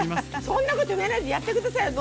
そんなこと言わないでやって下さいよ